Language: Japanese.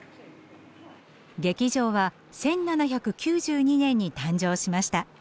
劇場は１７９２年に誕生しました。